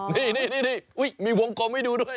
นี่มีวงกลมให้ดูด้วย